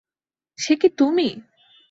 সে কি তুমি?